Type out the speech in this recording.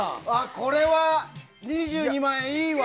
これは２２万円、いいわ。